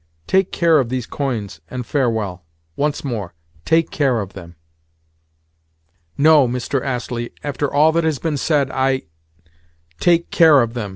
Take care of these coins, and farewell. Once more, take care of them." "No, Mr. Astley. After all that has been said I—" "Take care of them!"